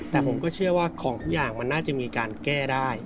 แต่ผมก็เชื่อว่าของทุกอย่างมันน่าจะมีการแก้ได้